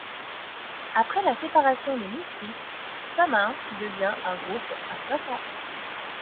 Après la séparation des Misfits, Samhain devient un groupe à plein temps.